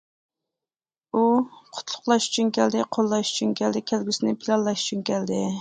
ئۇ قۇتلۇقلاش ئۈچۈن كەلدى، قوللاش ئۈچۈن كەلدى، كەلگۈسىنى پىلانلاش ئۈچۈن كەلدى.